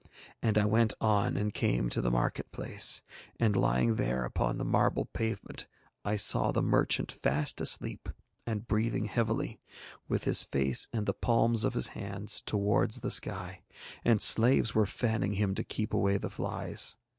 And I went on and came to the market place, and lying there upon the marble pavement I saw the merchant fast asleep and breathing heavily, with his face and the palms of his hands towards the sky, and slaves were fanning him to keep away the flies.